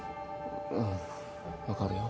うん分かるよ。